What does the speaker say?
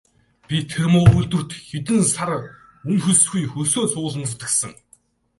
Би тэр муу үйлдвэрт хэдэн сар үнэ хөлсгүй хөлсөө цувуулан зүтгэсэн.